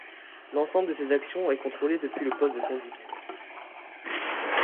L’ensemble de ces actions est contrôlé depuis le poste de conduite.